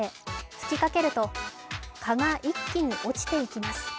吹きかけると、蚊が一気に落ちていきます。